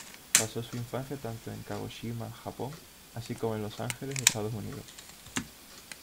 Pasó su infancia tanto en Kagoshima, Japón; así como en Los Ángeles, Estados Unidos.